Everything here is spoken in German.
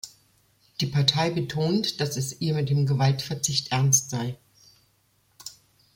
Die Partei betont, dass es ihr mit dem Gewaltverzicht ernst sei.